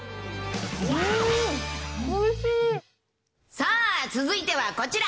さあ、続いてはこちら。